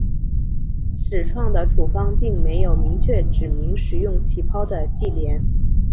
始创的处方并没有明确指明使用起泡的忌廉。